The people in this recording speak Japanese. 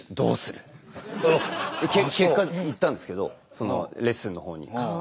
で結果行ったんですけどそのレッスンのほうに。